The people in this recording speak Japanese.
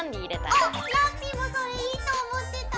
おっラッピィもそれいいと思ってた！